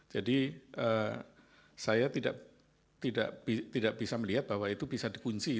jadi saya tidak bisa melihat bahwa itu bisa dikunci